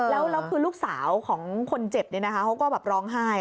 แล้วคือลูกสาวของคนเจ็บเขาก็แบบร้องไห้